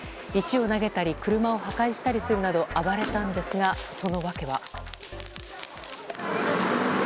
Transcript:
石を投げたり車を破壊したりするなど暴れたんですが、その訳は。